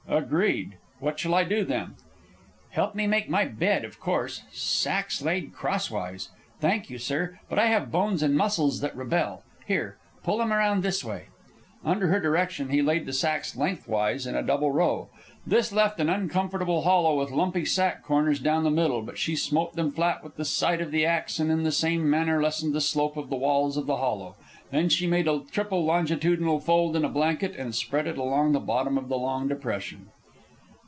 "Agreed. What shall I do then?" "Help me make my bed, of course. Sacks laid crosswise! Thank you, sir, but I have bones and muscles that rebel. Here Pull them around this way." Under her direction he laid the sacks lengthwise in a double row. This left an uncomfortable hollow with lumpy sack corners down the middle; but she smote them flat with the side of the axe, and in the same manner lessened the slope to the walls of the hollow. Then she made a triple longitudinal fold in a blanket and spread it along the bottom of the long depression.